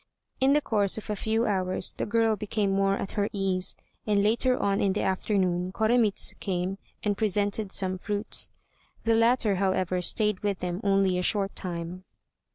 In the course of a few hours the girl became more at her ease, and later on in the afternoon Koremitz came and presented some fruits. The latter, however, stayed with them only a short time.